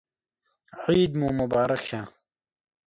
عید مو مبارک شه